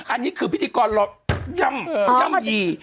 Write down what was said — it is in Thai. อันนี้คือพิธีกรหล่อย่ำยี